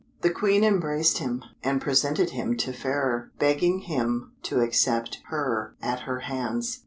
The Queen embraced him, and presented him to Fairer, begging him to accept her at her hands.